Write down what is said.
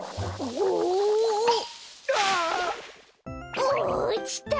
おおちた！